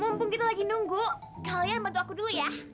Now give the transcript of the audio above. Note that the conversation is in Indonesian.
mumpung kita lagi nunggu kalian bantu aku dulu ya